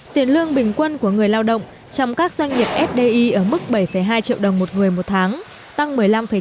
tiền lương bình quân của người lao động trong các doanh nghiệp fdi ở mức bảy hai triệu đồng một người một tháng tăng một mươi năm năm